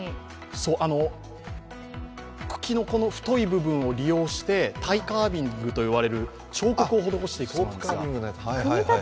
茎の太い部分を利用してタイカービングという彫刻を施しているんです。